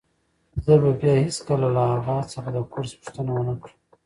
زه به بیا هیڅکله له اغا څخه د کورس پوښتنه ونه کړم.